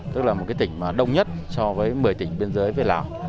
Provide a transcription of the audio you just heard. tức là một cái tỉnh mà đông nhất so với một mươi tỉnh biên giới về lào